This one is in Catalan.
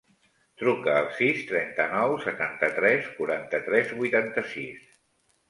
Truca al sis, trenta-nou, setanta-tres, quaranta-tres, vuitanta-sis.